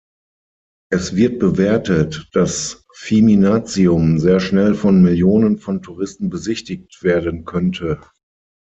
Es wird bewertet, dass Viminatium sehr schnell von Millionen von Touristen besichtigt werde könnte.